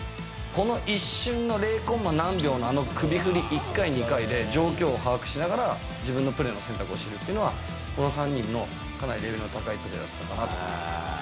この一瞬の０コンマ何秒のあの首振り１回２回で、状況を把握しながら、自分のプレーの選択をしてるっていうのは、この３人のかなりレベルの高いプレーだったかなと。